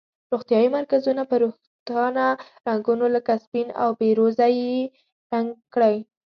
روغتیایي مرکزونه په روښانه رنګونو لکه سپین او پیروزه یي رنګ کړئ.